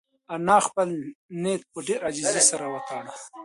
انا خپل نیت په ډېرې عاجزۍ سره وتاړه.